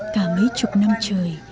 cả mấy chục năm trời